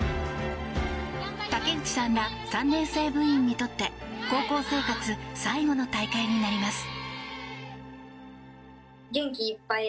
竹内さんら３年生部員にとって高校生活最後の大会になります。